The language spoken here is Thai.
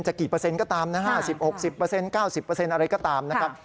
จะกี่เปอร์เซ็นต์ก็ตามนะ๕๐๖๐เปอร์เซ็นต์๙๐เปอร์เซ็นต์อะไรก็ตามนะครับ